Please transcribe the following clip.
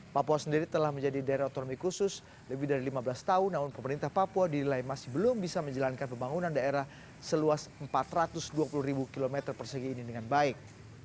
papua sendiri telah menjadi daerah otonomi khusus lebih dari lima belas tahun namun pemerintah papua didilai masih belum bisa menjalankan pembangunan daerah seluas empat ratus dua puluh km persegi ini dengan baik